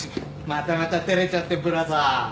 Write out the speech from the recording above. またまた照れちゃってブラザー。